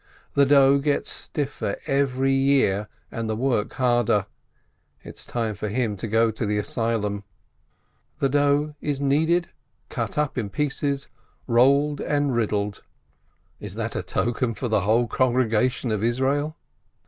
The dough gets stiffer every year, and the work harder, it is time for him to go to the asylum ! The dough is kneaded, cut up in pieces, rolled and riddled — is that a token for the whole Congregation of Israel